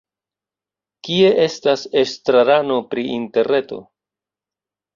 Kie estas estrarano pri interreto?